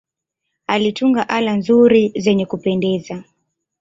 Alitunga ala nzuri zenye kupendeza.